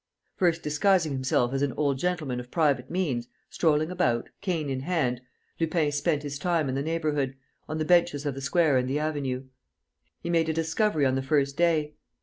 First disguising himself as an old gentleman of private means, strolling about, cane in hand, Lupin spent his time in the neighbourhood, on the benches of the square and the avenue. He made a discovery on the first day.